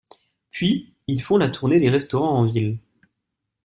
Puis, ils font la tournée des restaurants en ville.